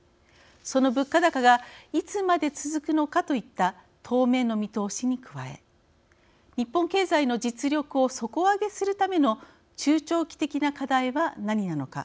その物価高がいつまで続くのかといった当面の見通しに加え日本経済の実力を底上げするための中長期的な課題は何なのか。